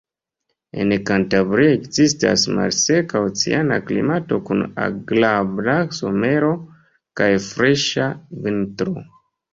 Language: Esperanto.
En Kantabrio ekzistas malseka oceana klimato kun agrabla somero kaj freŝa vintro.